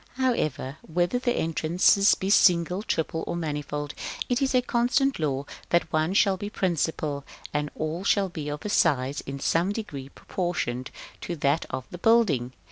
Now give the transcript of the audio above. § VII. However, whether the entrances be single, triple, or manifold, it is a constant law that one shall be principal, and all shall be of size in some degree proportioned to that of the building.